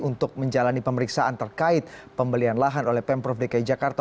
untuk menjalani pemeriksaan terkait pembelian lahan oleh pemprov dki jakarta